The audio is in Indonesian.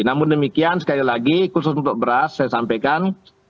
namun demikian sekali lagi khusus untuk beras saya sampaikan